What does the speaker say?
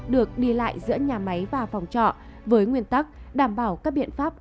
được đi lại giữa nhà máy và phòng trọ với nguyên tắc đảm bảo các biện pháp